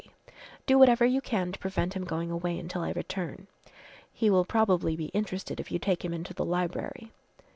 Do whatever you can to prevent him going away until I return. He will probably be interested if you take him into the library."